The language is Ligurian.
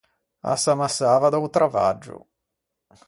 A s’ammassava da-o travaggio.